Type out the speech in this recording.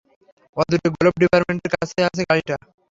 অদূরে গ্লোভ ডিপার্টম্যান্টের কাছেই আছে গাড়িটা!